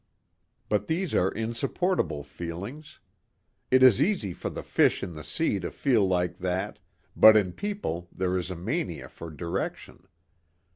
But these are insupportable feelings. It is easy for the fish in the sea to feel like that but in people there is a mania for direction.